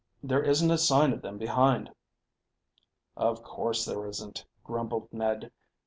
There isn't a sign of them behind." "Of course there isn't," grumbled Ned.